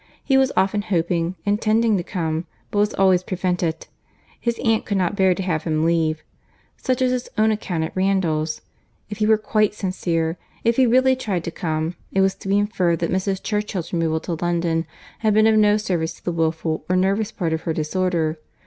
He was often hoping, intending to come—but was always prevented. His aunt could not bear to have him leave her. Such was his own account at Randall's. If he were quite sincere, if he really tried to come, it was to be inferred that Mrs. Churchill's removal to London had been of no service to the wilful or nervous part of her disorder.